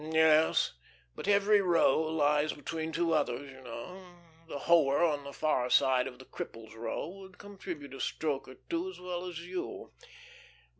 "Yes, but every row lies between two others, you know. The hoer on the far side of the cripple's row would contribute a stroke or two as well as you.